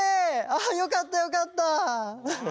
あよかったよかった！